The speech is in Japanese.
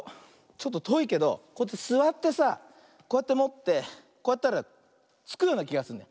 ちょっととおいけどこうやってすわってさこうやってもってこうやったらつくようなきがするの。